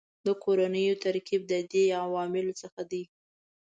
د کورنیو ترکیب د دې عواملو څخه دی